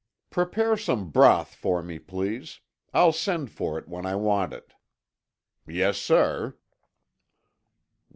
"Prepare some broth for me, please. I'll send for it when I want it." "Yes, sir."